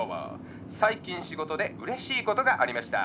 最近仕事でうれしいことがありました。